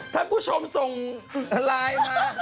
ท่านผู้ชมส่งไลน์มา